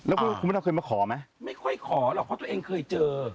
แล้วคุณพระดำเคยมาขอไหมไม่ค่อยขอหรอกเพราะตัวเองเคยเจอ